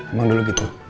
emang dulu gitu